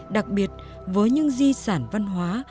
đặc biệt với những di sản văn hóa